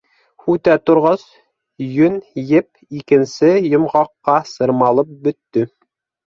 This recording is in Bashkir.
Һүтә торғас, йөн еп икенсе йомғаҡҡа сырмалып бөттө.